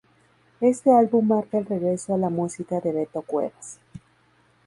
Éste álbum marca el regreso a la música de Beto Cuevas.